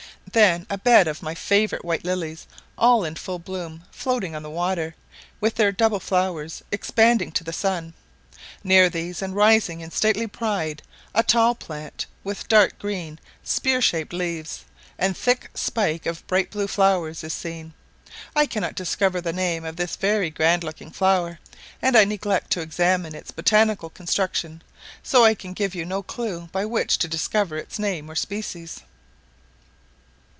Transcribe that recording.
Then a bed of my favourite white lilies, all in full bloom, floating on the water, with their double flowers expanding to the sun; near these, and rising in stately pride, a tall plant, with dark green spear shaped leaves, and thick spike of bright blue flowers, is seen. I cannot discover the name of this very grand looking flower, and I neglected to examine its botanical construction; so can give you no clue by which to discover its name or species.